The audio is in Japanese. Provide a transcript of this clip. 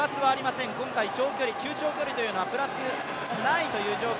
今回、中・長距離というのはプラスはないという状況。